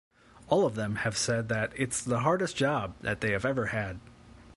All of them have said that it's the hardest job that they've ever had.